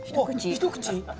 一口？